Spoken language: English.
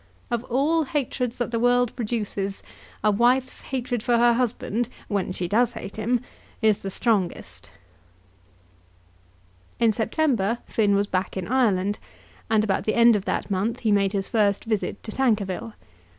Of all hatreds that the world produces, a wife's hatred for her husband, when she does hate him, is the strongest." In September Finn was back in Ireland, and about the end of that month he made his first visit to Tankerville.